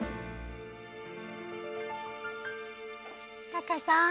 タカさん。